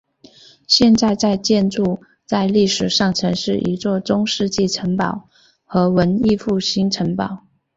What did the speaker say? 现在的建筑在历史上曾是一座中世纪城堡和文艺复兴城堡。